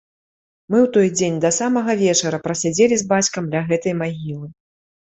Мы ў той дзень да самага вечара прасядзелі з бацькам ля гэтай магілы.